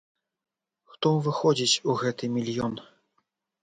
Хто ўваходзіць у гэты мільён?